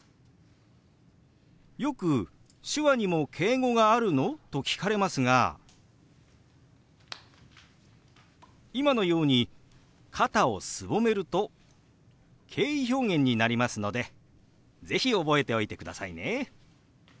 よく「手話にも敬語があるの？」と聞かれますが今のように肩をすぼめると敬意表現になりますので是非覚えておいてくださいね。